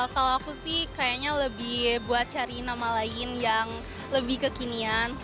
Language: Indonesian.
kalau aku sih kayaknya lebih buat cari nama lainnya